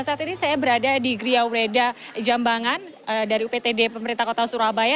saat ini saya berada di griau reda jambangan dari uptd pemerintah kota surabaya